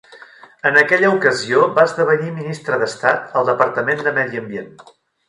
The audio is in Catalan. En aquella ocasió va esdevenir ministre d'Estat al Departament de Medi Ambient.